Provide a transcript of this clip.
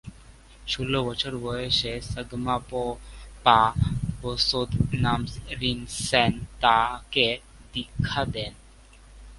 ষোল বছর বয়সে স্গাম-পো-পা-ব্সোদ-নাম্স-রিন-ছেন তাকে দীক্ষা দেন।